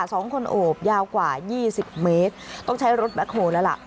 สองคนโอบยาวกว่ายี่สิบเมตรต้องใช้รถแบ็คโฮลแล้วล่ะ